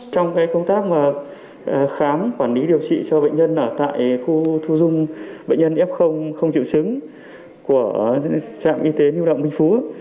trong công tác khám quản lý điều trị cho bệnh nhân ở tại khu thu dung bệnh nhân f không triệu chứng